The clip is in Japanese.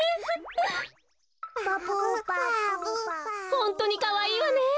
ホントにかわいいわね！